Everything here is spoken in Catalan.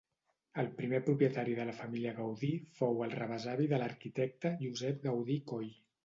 El primer propietari de la família Gaudí fou el rebesavi de l'arquitecte, Josep Gaudí Coll.